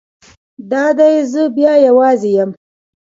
دا دی زه بیا یوازې یم.